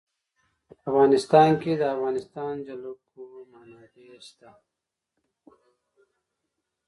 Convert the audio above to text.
په افغانستان کې د د افغانستان جلکو منابع شته.